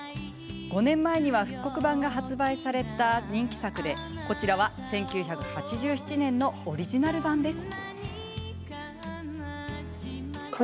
５年前には復刻版が発売された人気作でこちらは１９８７年のオリジナル版です。